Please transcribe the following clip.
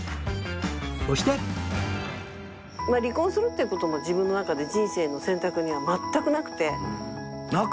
そして離婚するっていう事も自分の中で人生の選択には全くなくて。